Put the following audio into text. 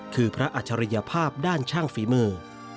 คือพระอัจฉริยภาพด้านช่างฝีมือ